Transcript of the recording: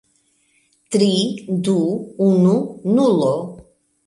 Tri... du... unu... nulo